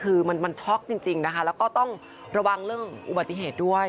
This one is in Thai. คือมันช็อกจริงนะคะแล้วก็ต้องระวังเรื่องอุบัติเหตุด้วย